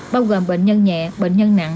bao gồm bệnh nhân nhẹ bệnh nhân nặng